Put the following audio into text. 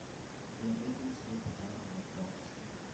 Their ratings went downhill fast.